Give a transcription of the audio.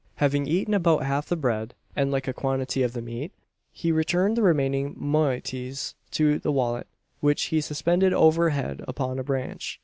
Having eaten about half the bread, and a like quantity of the meat, he returned the remaining moieties to the wallet; which he suspended over head upon a branch.